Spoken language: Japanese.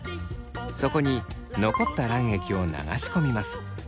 そこに残った卵液を流し込みます。